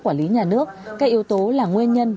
quản lý nhà nước các yếu tố là nguyên nhân